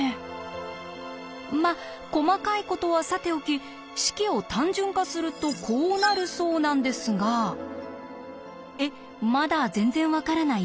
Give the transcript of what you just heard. まあ細かいことはさておき式を単純化するとこうなるそうなんですがえっまだ全然分からない？ですよね。